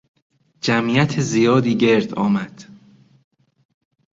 جمعیت زیادی گرد آمد.